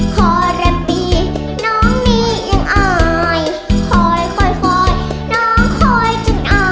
ขอแรมปีน้องนี้ยังอายคอยคอยน้องคอยจนอาย